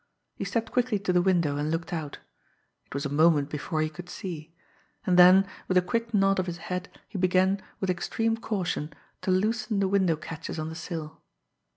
He stepped quickly to the window, and looked out. It was a moment before he could see; and then, with a quick nod of his head, he began, with extreme caution to loosen the window catches on the sill.